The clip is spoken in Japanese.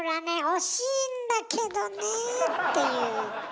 惜しいんだけどねえっていう。